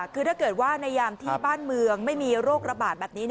คือถ้าเกิดว่าในยามที่บ้านเมืองไม่มีโรคระบาดแบบนี้